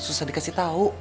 susah dikasih tahu